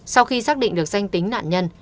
sau khi xác định được danh tính nạn nhân